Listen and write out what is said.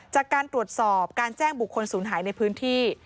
จากการตรวจสอบการแจ้งบุคคลศูนย์หายในพื้นที่